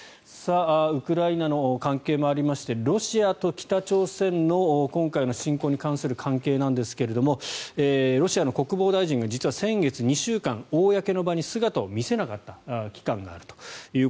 ウクライナの関係もありましてロシアと北朝鮮の今回の侵攻に関する関係ですがロシアの国防大臣が先月２週間実は公の場に姿を見せなかった期間があると。